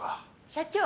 社長。